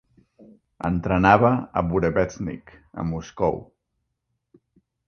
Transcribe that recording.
Entrenava a Burevestnik, a Moscou.